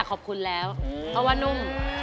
ขอบคุณครูครู